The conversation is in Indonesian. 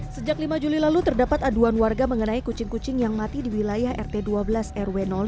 sejak lima juli lalu terdapat aduan warga mengenai kucing kucing yang mati di wilayah rt dua belas rw lima